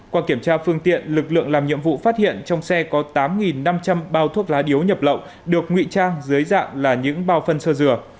qua kiểm tra phương tiện lực lượng làm nhiệm vụ phát hiện trong xe có tám năm trăm linh bao thuốc lá điếu nhập lậu được nguy trang dưới dạng là những bao phân sơ dừa